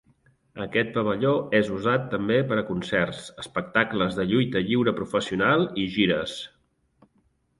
Aquest pavelló és usat també per a concerts, espectacles de lluita lliure professional i gires.